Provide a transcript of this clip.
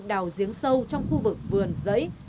đào giếng sâu trong khu vực vườn giấy